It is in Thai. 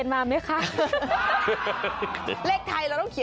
มา